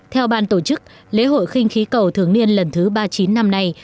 theo bàn tổ chức lễ hội kinh khí cầu thường niên lần thứ ba mươi chín năm nay